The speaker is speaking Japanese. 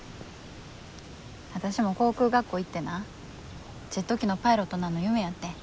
私も航空学校行ってなジェット機のパイロットなんの夢やってん。